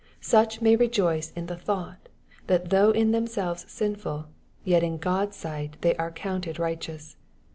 Such may rejoice in the thought, that though in themselves sinful, yet in God's sight they are counted righteous.